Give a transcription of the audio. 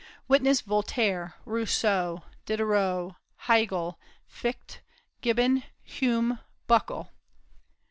Witness Voltaire, Rousseau, Diderot, Hegel, Fichte, Gibbon, Hume, Buckle.